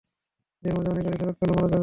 এদের মাঝে অনেকেই ফেরত গেলে মারা যাবে।